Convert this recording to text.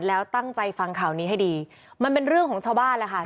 แล้วตั้งใจฟังข่าวนี้ให้ดีมันเป็นเรื่องของชาวบ้านแหละค่ะ